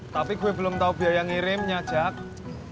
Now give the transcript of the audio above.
tapi gue belum tau biaya ngirimnya jack